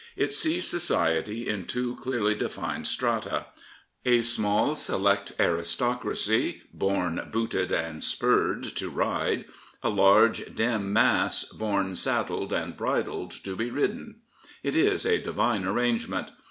It sees society in two clearly defined strata — small, select aristocracy born booted and spurred to ride; a large, dim mass born saddled and bridled to be ridden. It is a divine arrangement.